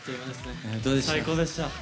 最高でした。